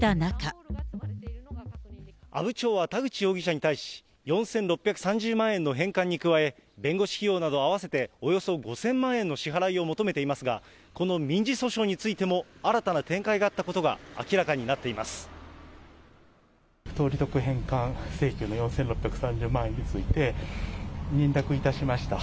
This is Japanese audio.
阿武町は田口容疑者に対し、４６３０万円の返還に加え、弁護士費用など合わせておよそ５０００万円の支払いを求めていますが、この民事訴訟についても新たな展開があったことが明らかになって不当利得返還請求の４６３０万円について、認諾いたしました。